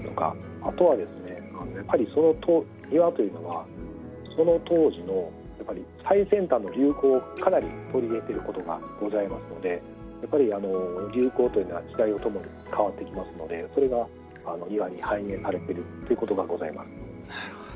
あとは、庭というのはその当時の最先端の流行をかなり取り入れていることがございますのでやっぱり、流行というのは時代とともに変わってきますのでそれが、庭に反映されているということがございます。